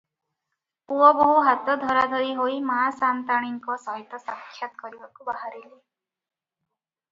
ପୁଅ ବୋହୁ ହାତ ଧରାଧରି ହୋଇ ମା ସାନ୍ତାଣୀଙ୍କ ସହିତ ସାକ୍ଷାତ୍ କରିବାକୁ ବାହାରିଲେ ।